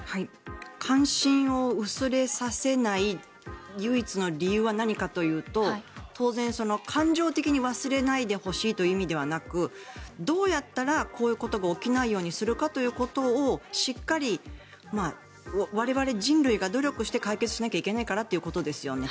関心を薄れさせない唯一の理由は何かというと当然、感情的に忘れないでほしいという意味ではなくどうやったらこういうことが起きないかということをしっかり我々人類が努力して解決しなきゃいけないからということですよね。